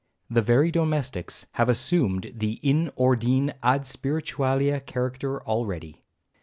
The very domestics have assumed the in ordine ad spiritualia character already.